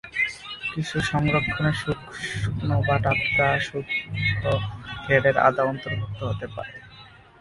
কিছু সংস্করণে শুকনো বা টাটকা, সূক্ষ্ম গ্রেডের আদা অন্তর্ভুক্ত হতে পারে।